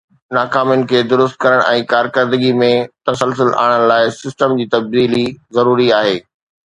ناڪامين کي درست ڪرڻ ۽ ڪارڪردگي ۾ تسلسل آڻڻ لاءِ سسٽم جي تبديلي ضروري آهي